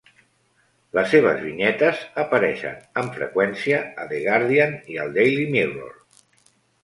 Les seves vinyetes apareixen amb freqüència a The Guardian i al Daily Mirror.